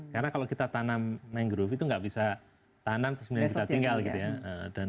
karena kalau kita tanam mangrove itu nggak bisa tanam terus kemudian kita tinggal gitu ya